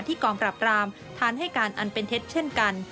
กองปราบรามฐานให้การอันเป็นเท็จเช่นกัน